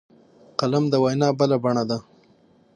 قلم د وینا بله بڼه ده